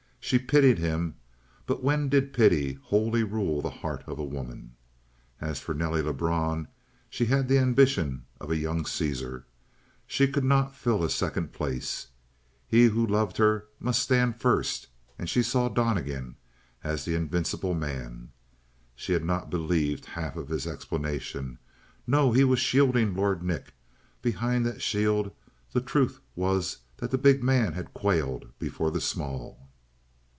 She pitied him, but when did pity wholly rule the heart of a woman? And as for Nelly Lebrun, she had the ambition of a young Caesar; she could not fill a second place. He who loved her must stand first, and she saw Donnegan as the invincible man. She had not believed half of his explanation. No, he was shielding Lord Nick; behind that shield the truth was that the big man had quailed before the small.